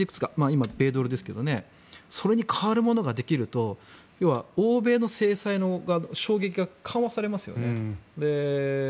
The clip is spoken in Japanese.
今、米ドルですけどそれに代わるものができると要は、欧米の制裁の衝撃が緩和されますよね。